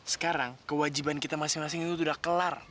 sekarang kewajiban kita masing masing itu sudah kelar